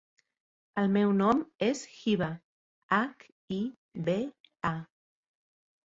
El meu nom és Hiba: hac, i, be, a.